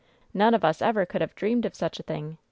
"None of us ever could have dreamed of such a thing.